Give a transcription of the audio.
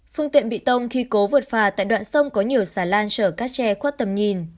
phương tiện bị tông khi cố vượt phà tại đoạn sông có nhiều xà lan chở các tre khuất tầm nhìn